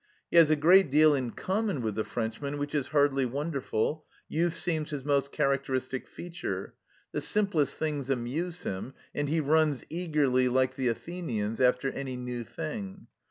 He has a great deal in common with the Frenchman, which is hardly wonderful. Youth seems his most characteristic feature ; the simplest things amuse him, and he runs eagerly, like the Athenians, after " any new thing."